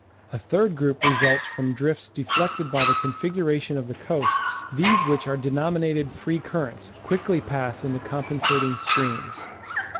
A third group results from drifts deflected by the config xiration of the coasts ; these which are denominated free cur rents, quickly pass into compensating streams.